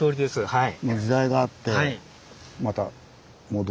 はい。